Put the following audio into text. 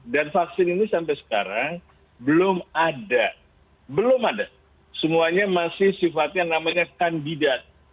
dan vaksin ini sampai sekarang belum ada belum ada semuanya masih sifatnya namanya kandidat